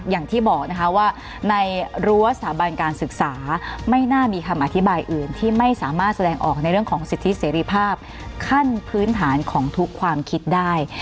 อย่างที่บอกนะคะว่าในรั้วสถาบันการศึกษาไม่น่ามีคำอธิบายอื่นที่ไม่สามารถแสดงออกในเรื่องของสิทธิเสรีภาพขั้นพื้นฐานของทุกความคิดได้